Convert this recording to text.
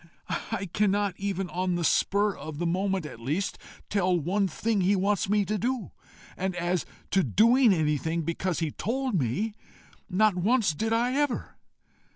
I cannot even, on the spur of the moment at least, tell one thing he wants me to do; and as to doing anything because he told me not once did I ever!